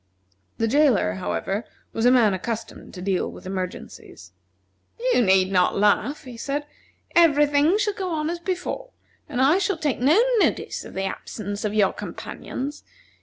The jailer, however, was a man accustomed to deal with emergencies. "You need not laugh," he said, "every thing shall go on as before, and I shall take no notice of the absence of your companions.